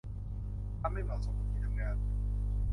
มันไม่เหมาะสมกับที่ทำงาน